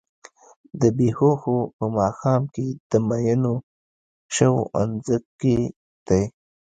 د بــــــې هــــــوښو په ماښام کي د مینوشو انځکی دی